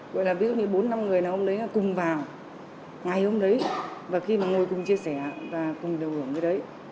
ví dụ như bốn năm người nào ông lấy là cùng vào ngày hôm đấy và khi mà ngồi cùng chia sẻ và cùng đều hưởng cái đấy